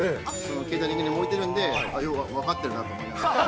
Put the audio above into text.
ケータリングに置いてるんで、分かってるなと思いながら。